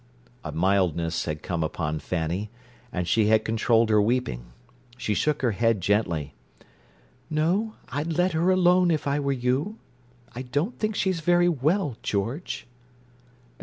A mildness had come upon Fanny, and she had controlled her weeping. She shook her head gently. "No, I'd let her alone if I were you. I don't think she's very well, George."